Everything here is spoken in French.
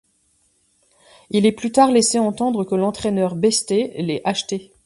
Il est plus tard laissé entendre que l'entraîneur Beiste l'aie acheté.